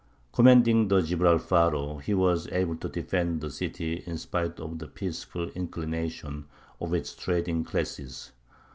Commanding the Gibralfaro, he was able to defend the city in spite of the peaceful inclinations of its trading classes.